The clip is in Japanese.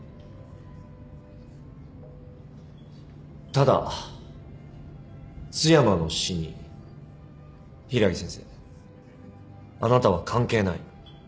ただ津山の死に柊木先生あなたは関係ない。